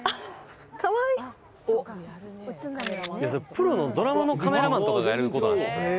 プロのドラマのカメラマンとかがやることなんですよ